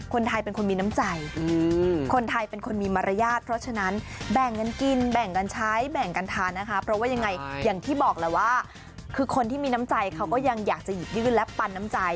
เขาก็ยังอยากจะหยิบยื่นและปันน้ำใจ